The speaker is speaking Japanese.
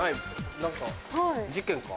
何か事件か？